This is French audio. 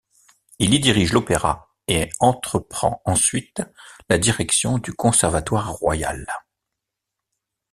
Il y dirige l'opéra et entreprend ensuite la direction du conservatoire royal.